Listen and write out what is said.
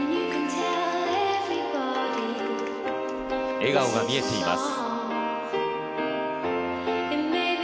笑顔が見えています。